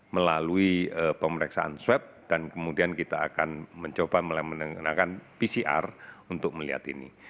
melalui pemeriksaan swab dan kemudian kita akan mencoba menggunakan pcr untuk melihat ini